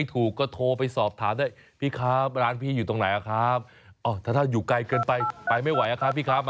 รู้ว่าจองตัวก่อนเขาเรียกอะไรน่ะ